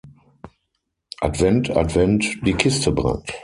Adent, Advent, die Kiste brennt.